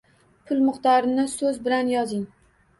Pul miqdorini so'z bilan yozing!